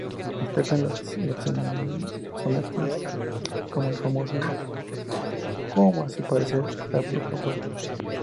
Destacan los sonetos, como el famoso "Como a su parecer la bruja vuela...".